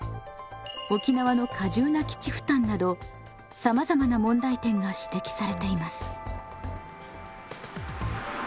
沖縄の過重な基地負担などさまざまな問題点が指摘されています。